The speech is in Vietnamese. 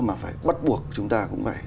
mà phải bắt buộc chúng ta cũng phải